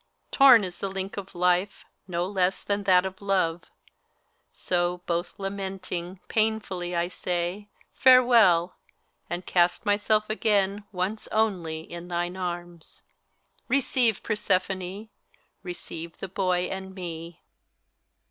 Tom is the link of Life, no less than that of Love ; So, both. lamenting, painfully I say: Farewell! And oast myself again — once only — in thine arms. Receive, Persephone, receive the boy and me.